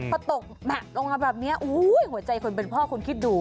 พอตกหนักลงมาแบบนี้หัวใจคนเป็นพ่อคุณคิดดู